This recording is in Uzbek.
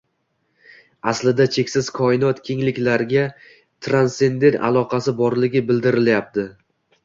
aslida cheksiz Koinot kengliklariga transsendent aloqasi borligi bildirilyapti.